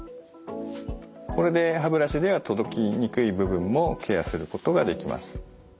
これで歯ブラシでは届きにくい部分もケアすることができます。